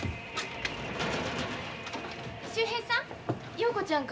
秀平さん